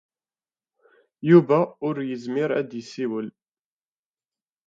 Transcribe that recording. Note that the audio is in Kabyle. Yuba ur yezmir ad yessiwel.